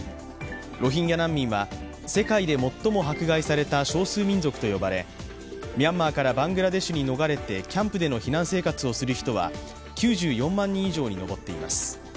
ロヒンギャ難民は世界で最も迫害された少数民族と呼ばれ、ミャンマーからバングラデシュに逃れてキャンプでの避難生活をする人は９４万人以上に上っています。